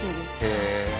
へえ！